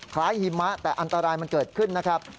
หิมะแต่อันตรายมันเกิดขึ้นนะครับ